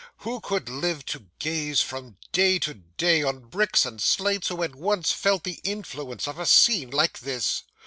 'Who could live to gaze from day to day on bricks and slates who had once felt the influence of a scene like this?